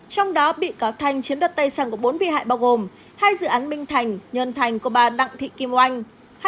trong đó bị cáo thanh chiến đập tài sản của bốn vi hại bao gồm hai dự án minh thành nhân thành của bà đặng thị kim oanh